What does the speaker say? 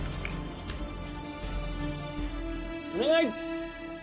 「お願い！」